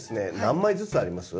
何枚ずつあります？